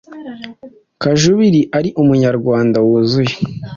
Kajubiri ari Umunyarwanda wuzuye